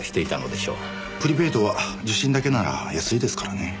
プリペイドは受信だけなら安いですからね。